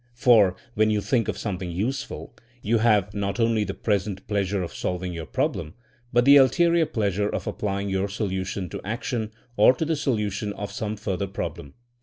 For when you think of something useful, you have not only the pres ent pleasure of solving your problem, but the ulterior pleasure of applying your solution to action, or to the solution of some further prob lem.